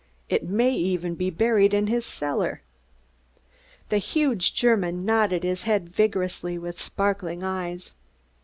It may even be buried in his cellar." The huge German nodded his head vigorously, with sparkling eyes.